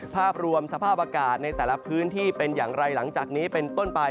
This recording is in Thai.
ภาพรวมสภาพอากาศในแต่ละพื้นที่เป็นอย่างไรหลังจากนี้เป็นต้นไป